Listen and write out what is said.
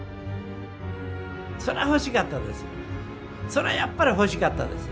そら欲しかったです。